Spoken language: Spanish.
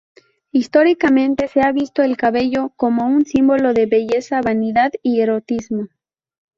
Históricamente se ha visto el cabello como un símbolo de belleza, vanidad y erotismo.